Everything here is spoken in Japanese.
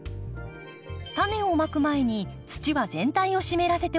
タネをまく前に土は全体を湿らせておきましょう。